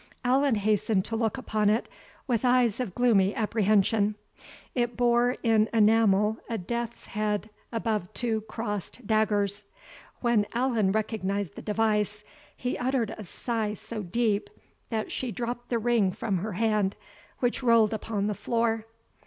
Allan hastened to look upon it, with eyes of gloomy apprehension; it bore, in enamel, a death's head above two crossed daggers. When Allan recognised the device, he uttered a sigh so deep, that she dropped the ring from her hand, which rolled upon the floor.